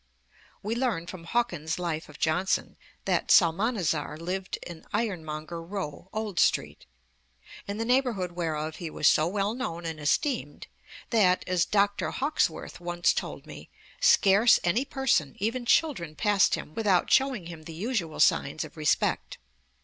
"' We learn from Hawkins's Life of Johnson, p. 547, that 'Psalmanazar lived in Ironmonger Row, Old Street; in the neighbourhood whereof he was so well known and esteemed, that, as Dr. Hawkesworth once told me, scarce any person, even children, passed him without shewing him the usual signs of respect.'